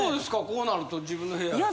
こうなると自分の部屋。